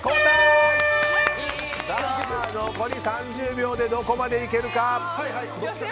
残り３０秒でどこまでいけるか。